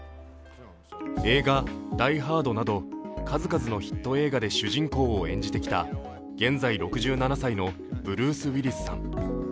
映画「ダイ・ハード」など数々のヒット映画で主人公を演じてきた現在６７歳のブルース・ウィリスさん